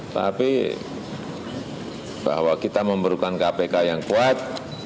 tapi bahwa kita memerlukan kpk yang kuat